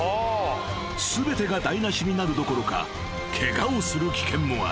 ［全てが台無しになるどころかケガをする危険もある］